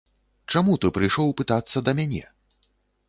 Чаму ты прыйшоў пытацца да мяне?